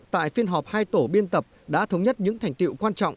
tại phiên họp hai tổ biên tập đã thống nhất những thành tiệu quan trọng